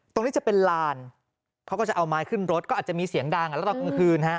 ตรงนี้จะเป็นลานเขาก็จะเอาไม้ขึ้นรถก็อาจจะมีเสียงดังแล้วตอนกลางคืนฮะ